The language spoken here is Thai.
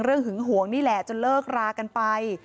เรื่องหึงหวงนี่แหละจนเลิกลากันไป